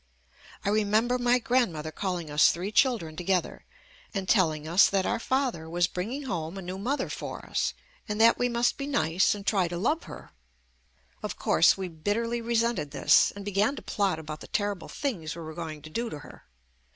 I remember my grandmother calling us three children together and telling us that our father was bringing home a new moth er for us, and that we must be nice and try to love her. Of course, we bitterly resented this and began to plot about the terrible things we were going to do to her.